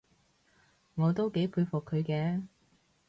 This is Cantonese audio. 我都幾佩服佢嘅